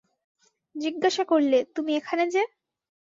জিজ্ঞাসা করলে, তুমি এখানে যে!